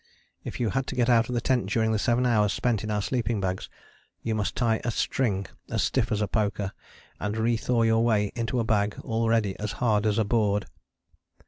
If you had to get out of the tent during the seven hours spent in our sleeping bags you must tie a string as stiff as a poker, and re thaw your way into a bag already as hard as a board.